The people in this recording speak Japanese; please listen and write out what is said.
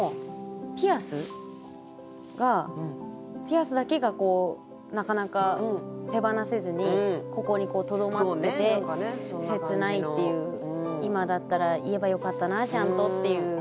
ピアスがピアスだけがなかなか手放せずにここにとどまってて切ないっていう今だったら言えばよかったなちゃんとっていう。